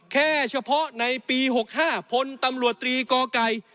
แค่เฉพาะในปี๖๕พลตำรวจตรีกไก่